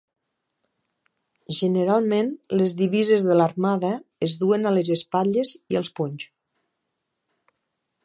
Generalment les divises de l'Armada es duen a les espatlles i als punys.